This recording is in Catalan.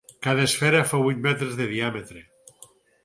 Cada esfera fa vuit metres de diàmetre.